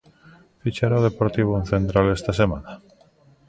Fichará o Deportivo un central esta semana?